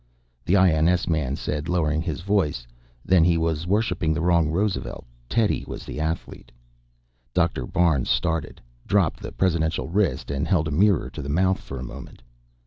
The I.N.S. man said, lowering his voice: "Then he was worshipping the wrong Roosevelt. Teddy was the athlete." Dr. Barnes started, dropped the presidential wrist and held a mirror to the mouth for a moment.